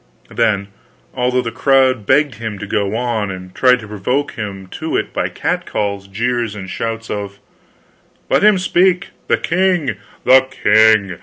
Then, although the crowd begged him to go on, and tried to provoke him to it by catcalls, jeers, and shouts of: "Let him speak! The king! The king!